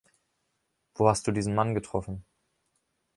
Wo hast du diesen Mann getroffen?